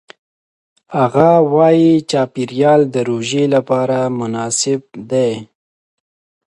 هغه وايي چاپېریال د روژې لپاره مناسب دی.